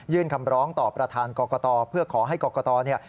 คำร้องต่อประธานกรกตเพื่อขอให้กรกตเนี่ย